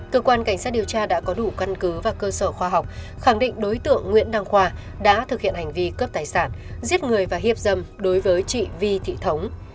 cơ quan cảnh sát điều tra đã có đủ căn cứ và cơ sở khoa học khẳng định đối tượng nguyễn đăng khoa đã thực hiện hành vi cướp tài sản giết người và hiếp dâm đối với chị vi thị thống